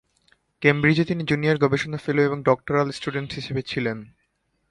কেমব্রিজে তিনি জুনিয়র গবেষণা ফেলো এবং ডক্টরাল স্টুডেন্ট হিসেবে ছিলেন।